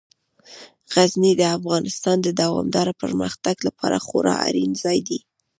غزني د افغانستان د دوامداره پرمختګ لپاره خورا اړین ځای دی.